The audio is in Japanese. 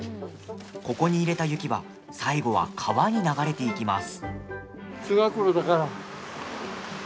ここに入れた雪は最後は川に流れていきます。